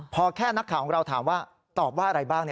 พอแค่นักข่าวของเราถามว่าตอบว่าอะไรบ้าง